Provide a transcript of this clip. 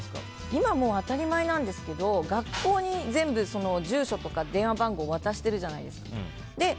今、もう当たり前なんですけど学校に全部住所とか電話番号を渡してるじゃないですか。